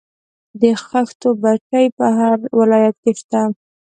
د خښتو بټۍ په هر ولایت کې شته